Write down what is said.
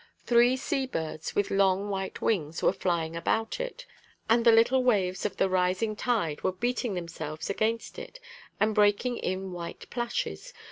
Three sea birds, with long white wings, were flying about it, and the little waves of the rising tide were beating themselves against it and breaking in white plashes.